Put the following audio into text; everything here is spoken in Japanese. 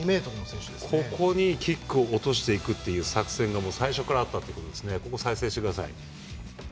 ここにキックを落としていく作戦が最初からあったんですね。